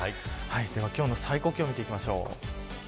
では、今日の最高気温を見ていきましょう。